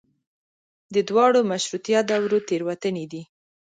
د دواړو مشروطیه دورو تېروتنې دي.